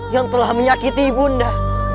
yang telah menyakiti bunda